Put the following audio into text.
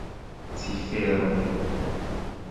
cifero